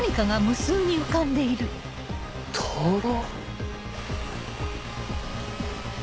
灯籠？